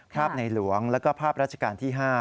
ภาพในหลวงแล้วก็ภาพราชการที่๕